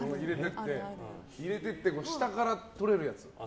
入れていって下からとれるやつ。